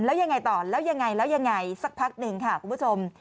แล้วยังไงต่อแล้วยังไงแล้วยังไงสักพักหนึ่งค่ะคุณผู้ชม